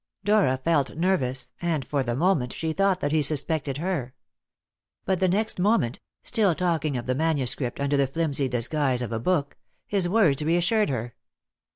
Dora felt nervous, and for the moment she thought that he suspected her. But the next moment still talking of the manuscript under the flimsy disguise of a book his words reassured her.